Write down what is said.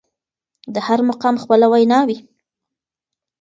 د هر مقام خپله وينا وي.